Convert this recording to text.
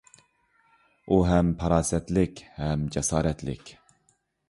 ئۇ ھەم پاراسەتلىك ھەم جاسارەتلىك.